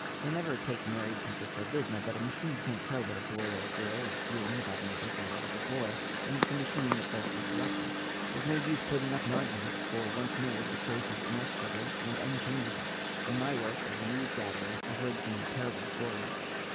They never take married people for Lydna, but a machine can't tell what a boy or girl is feeling about another girl or boy, and it's a machine that does the selecting. There's no use putting up an argument, for, once made, the choice is inexorable and unchangeable. In my work as a newsgatherer, I've heard some terrible stories.